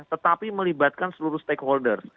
tetapi melibatkan seluruh stakeholders